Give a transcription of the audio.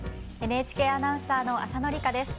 ＮＨＫアナウンサーの浅野里香です。